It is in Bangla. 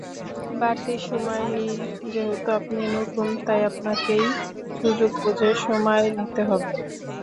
বাড়তি সময় নিনযেহেতু আপনি নতুন, তাই আপনাকেই সুযোগ বুঝে সময় নিতে হবে।